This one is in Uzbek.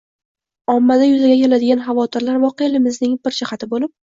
ommada yuzaga keladigan xavotirlar voqeligimizning bir jihati bo‘lib